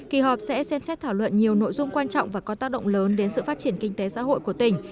kỳ họp sẽ xem xét thảo luận nhiều nội dung quan trọng và có tác động lớn đến sự phát triển kinh tế xã hội của tỉnh